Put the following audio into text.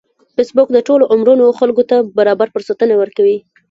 فېسبوک د ټولو عمرونو خلکو ته برابر فرصتونه ورکوي